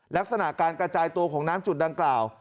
ลักษณะการกระจายตัวของน้ำจุดดังกล่าว